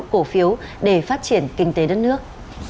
cổ phiếu để phát triển kinh tế đất nước